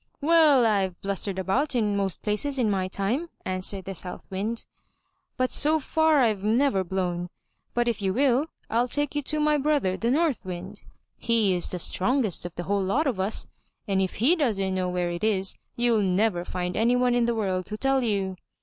"Well, I've blustered about in most places in my time," answered the South Wind, "but so far I've never blown. But if you will, I'll take you to my brother, the North Wind. He is the strongest of the whole lot of us, and if he doesn't know where it is, you'll never find anyone in the world to tell you.